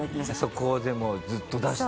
そこでもうずっと出して。